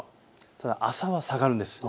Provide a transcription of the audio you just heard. ただ朝は下がるんです。